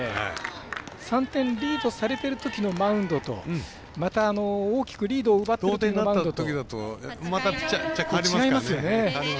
３点リードされてるときのマウンドとまた、大きくリードを奪っているときのマウンドと。